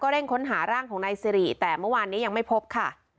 เร่งค้นหาร่างของนายสิริแต่เมื่อวานนี้ยังไม่พบค่ะ